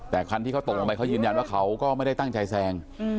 แต่ครั้งที่เขาตกลงไปต็นย้ำว่าเขาก็ไม่ได้ตั้งใจแซง